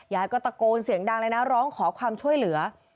ยายก็ตะโกนเสียงดังเลยนะร้องขอความช่วยเหลือ